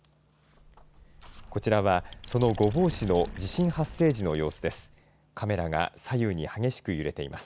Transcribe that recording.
こちらは、その御坊市の地震発生時の様子です。